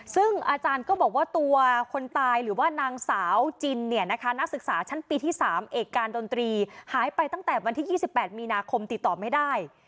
ซึ่งอาจารย์ก็บอกว่าตัวคนตายหรือว่านางสาวจินเนี่ยนะคะนักศึกษาชั้นปีที่๓เอกการดนตรีหายไปตั้งแต่วันที่๒๘มีนาคมติดต่อไม่ได้